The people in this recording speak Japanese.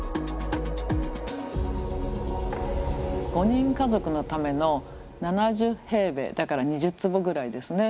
５人家族のための７０平米だから２０坪ぐらいですね。